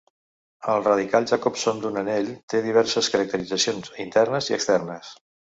El radical Jacobson d'un anell té diverses caracteritzacions internes i externes.